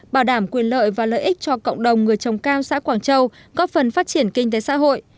bảo đảm quyền lợi và lợi ích cho cộng đồng người trồng cam xã quảng châu góp phần phát triển kinh tế xã hội